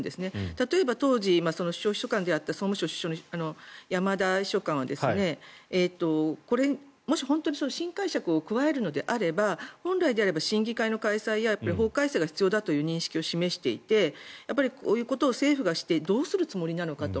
例えば当時、首相秘書官であった総務省の山田秘書官はもし本当に新解釈を加えるのであれば本来であれば審議会の開催や法改正が必要だという認識を示していてこういうことを政府がしてどうするつもりなのかと。